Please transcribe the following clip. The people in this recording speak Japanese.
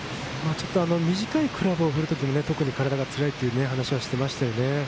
ちょっと短いクラブを振るときに、特に体がつらいという話をしていましたね。